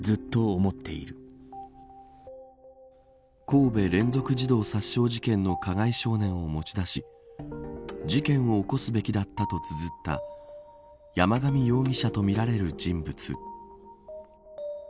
神戸連続児童殺傷事件の加害少年を持ち出し事件を起こすべきだったとつづった山上容疑者とみられる人物。